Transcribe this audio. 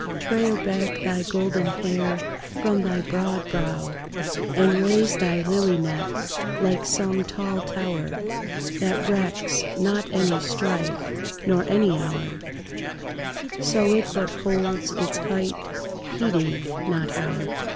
Trail back thy golden hair from thy broad brow, And raise thy lily neck like some tall tower, That recks not any strife nor any hour, So it but holds its height, heeding not how.